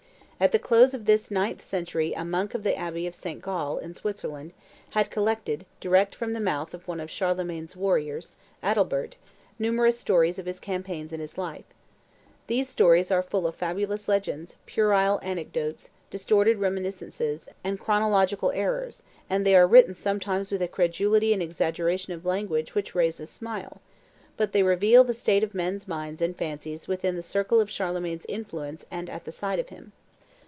At the close of this ninth century a monk of the abbey of St. Gall, in Switzerland, had collected, direct from the mouth of one of Charlemagne's warriors, Adalbert, numerous stories of his campaigns and his life. These stories are full of fabulous legends, puerile anecdotes, distorted reminiscences, and chronological errors, and they are written sometimes with a credulity and exaggeration of language which raise a smile; but they reveal the state of men's minds and fancies within the circle of Charlemagne's influence and at the sight of him.